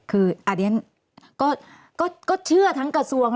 คืออันนี้ก็เชื่อทั้งกระทรวง